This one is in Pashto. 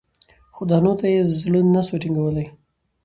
خو دانو ته یې زړه نه سو ټینګولای